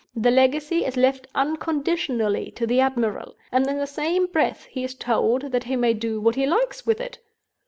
The legacy is left unconditionally to the admiral; and in the same breath he is told that he may do what he likes with it!